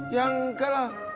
ya enggak lah